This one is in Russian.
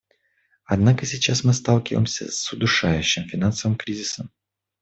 Однако сейчас мы сталкиваемся с удушающим финансовым кризисом.